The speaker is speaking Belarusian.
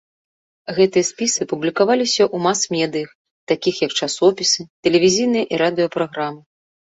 Гэтыя спісы публікаваліся ў мас-медыях, такіх як часопісы, тэлевізійныя і радыё-праграмы.